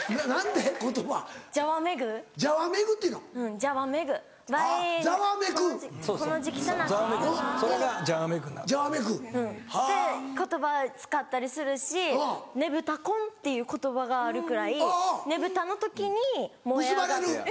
じゃわめぐ。って言葉使ったりするしねぶた婚っていう言葉があるくらいねぶたの時に燃え上がって。